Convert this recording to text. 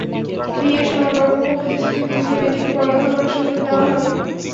বিয়ের সময় বরপক্ষ প্রতিশ্রুতি দিয়েছিল, মেয়েটিকে পড়ালেখা করার সুযোগ দেওয়া হবে।